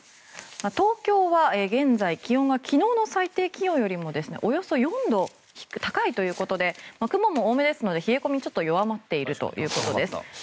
東京は現在、気温が昨日の最低気温よりもおよそ４度高いということで雲も多めですので冷え込みは弱まっています。